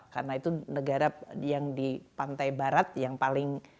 karena itu negara yang di pantai barat yang paling keras